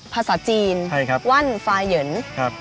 ภาษาจีนวันฟาเหย่นแปลว่าอะไรครับครับ